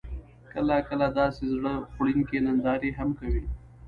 کله، کله داسې زړه خوړونکې نندارې هم کوي: